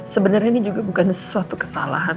sebenarnya ini juga bukan sesuatu kesalahan